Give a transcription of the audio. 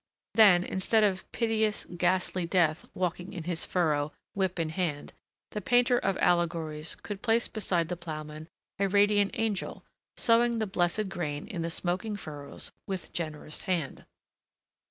Then, instead of piteous, ghastly Death walking in his furrow, whip in hand, the painter of allegories could place beside the ploughman a radiant angel, sowing the blessed grain in the smoking furrows with generous hand.